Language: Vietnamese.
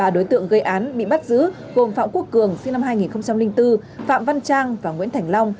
ba đối tượng gây án bị bắt giữ gồm phạm quốc cường sinh năm hai nghìn bốn phạm văn trang và nguyễn thành long